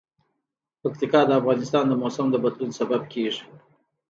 پکتیکا د افغانستان د موسم د بدلون سبب کېږي.